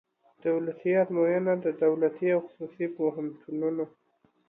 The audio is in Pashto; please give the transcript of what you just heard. دولتي آزموینه د دولتي او خصوصي پوهنتونونو